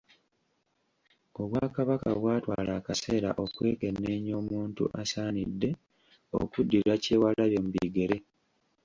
Obwakabaka bwatwala akaseera okwekenneenya omuntu asaanidde okuddira Kyewalabye mu bigere.